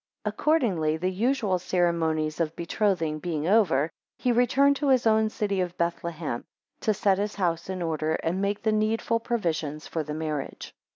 6 Accordingly, the usual ceremonies of betrothing being over, he returned to his own city of Bethlehem, to set his house in order, and make the needful provisions for the marriage.